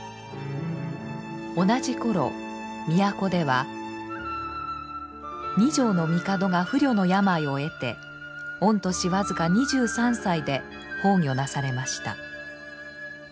同じ頃都では二条帝が不慮の病を得て御年僅か２３歳で崩御なされました。